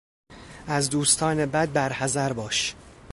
از دوستان بد برحذر باش!